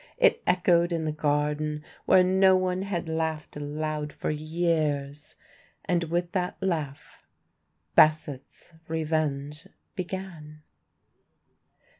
It echoed in the garden, where no one had laughed aloud for years. And with that laugh Bassett's revenge began.